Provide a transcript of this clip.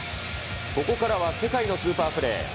ここからは世界のスーパープレー。